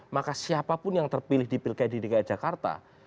maka siapapun yang terpilih di pilkada dki jakarta